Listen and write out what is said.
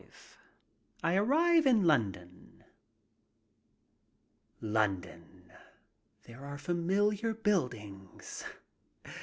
V I ARRIVE IN LONDON LONDON ! There are familiar buildings.